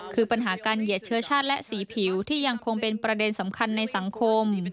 คือปัญหาการเหยียดเชื้อชาติและสีผิวที่ยังคงเป็นประเด็นสำคัญในสังคม